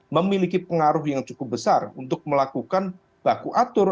memiliki pengaruh yang cukup besar untuk melakukan bakuatur